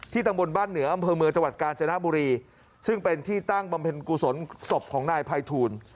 ตำบลบ้านเหนืออำเภอเมืองจังหวัดกาญจนบุรีซึ่งเป็นที่ตั้งบำเพ็ญกุศลศพของนายภัยทูล